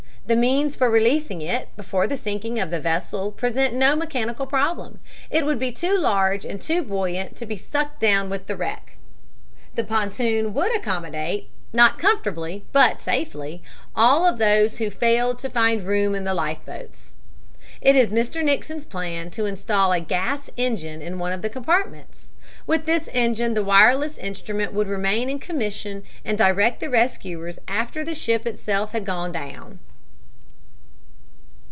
The means for releasing it before the sinking of the vessel present no mechanical problem. It would be too large and too buoyant to be sucked down with the wreck. The pontoon would accommodate, not comfortably but safely, all those who failed to find room in the life boats. It is Mr. Nixon's plan to instal a gas engine in one of the compartments. With this engine the wireless instrument would remain in commission and direct the rescuers after the ship itself had gone down.